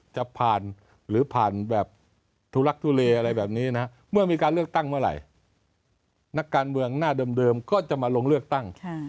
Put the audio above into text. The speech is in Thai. จะผ่านหรือผ่านแบบทุลักทุเลอะไรแบบนี้นะเมื่อมีการเลือกตั้งเมื่อไหร่นักการเมืองหน้าเดิมก็จะมาลงเลือกตั้ง